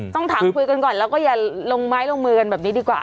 ต้องถามคุยกันก่อนแล้วก็อย่าลงไม้ลงมือกันแบบนี้ดีกว่า